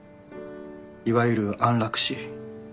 いわゆる安楽死。